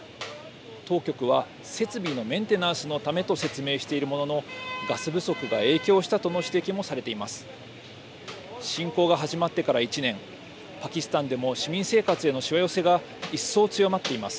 当局は設備のメンテナンスのためと説明しているもののガス不足が影響したとの指摘もされています。